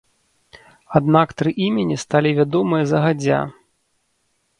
Аднак тры імені сталі вядомыя загадзя.